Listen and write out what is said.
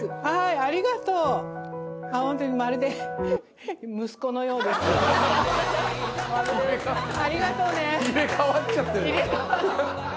ありがとうね。